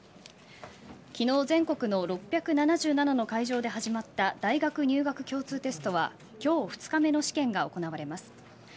昨日全国の６７７の会場で始まった大学入学共通テストは今日２日目の試験が行われます。